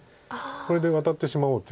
これでワタってしまおうという。